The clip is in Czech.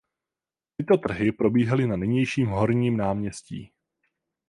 Tyto trhy probíhaly na nynějším Horním náměstí.